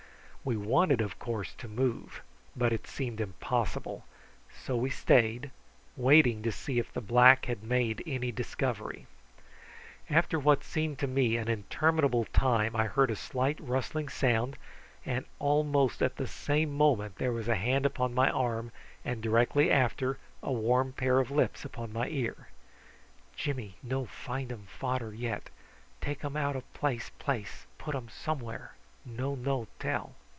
We wanted, of course, to move, but it seemed impossible, and so we stayed, waiting to see if the black had made any discovery. After what seemed to me an interminable time I heard a slight rustling sound, and almost at the same moment there was a hand upon my arm, and directly after a warm pair of lips upon my ear: "Jimmy no find um fader yet! Take um out o' place place! Put um somewhere; no know tell!"